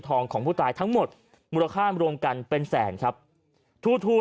ทองของผู้ตายทั้งหมดมูลคามรงกันเป็นแสนทัศน์ครับตรง